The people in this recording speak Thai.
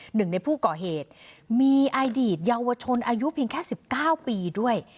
หนึ่งในผู้ก่อเหตุมีอดีตเยาวชนอายุเพียงแค่๑๙ปีด้วย